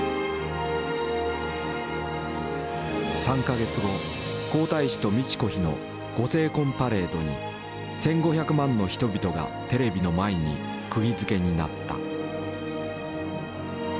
３か月後皇太子と美智子妃の御成婚パレードに１，５００万の人々がテレビの前にくぎづけになった。